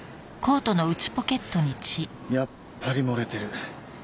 やっぱり漏れてる。